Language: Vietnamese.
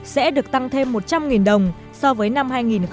sẽ được tăng thêm một trăm linh đồng so với năm hai nghìn một mươi bảy